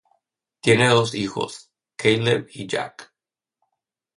Tiene dos hijos: Caleb y Jack.